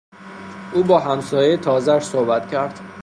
او با همسایهی تازهاش صحبت کرد.